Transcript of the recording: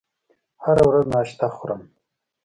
هره ورځ ناشته خورم